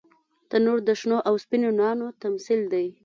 تنور د شنو او سپینو نانو تمثیل دی